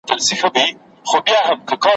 هم په اوړي هم په ژمي به ناورین وو `